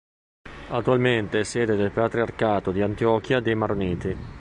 Attualmente è sede del Patriarcato di Antiochia dei Maroniti.